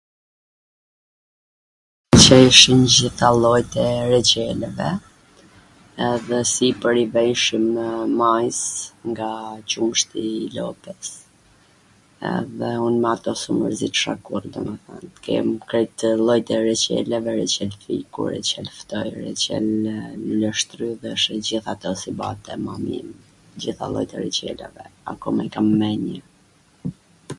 mw pwlqejshin t gjitha llojet e reCeleve, edhe sipwr i vejshim majs nga qumshti i lopes, edhe un m ato s u mwrzitsha kurr, domethwn mund kem krejt llojet e reCeleve, reCel fiku, recel luleshtrydhesh e gjith ato qw bante mami im, tw gjitha llojet e receleve, akoma i kam n menje.